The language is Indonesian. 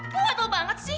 gue gatel banget sih